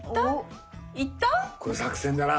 これ作戦だな。